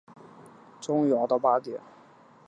终于熬到八点